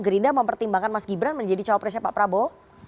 gerinda mempertimbangkan mas gibran menjadi cowopresnya pak prabowo